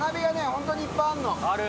ホントにいっぱいあんの。